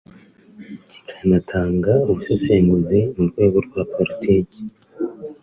kikanatanga ubusesenguzi mu rwego rwa politiki